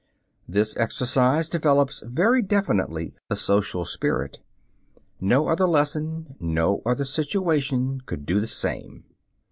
This exercise develops very definitely the social spirit. No other lesson, no other "situation," could do the same.